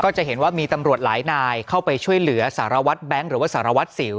จะเห็นว่ามีตำรวจหลายนายเข้าไปช่วยเหลือสารวัตรแบงค์หรือว่าสารวัตรสิว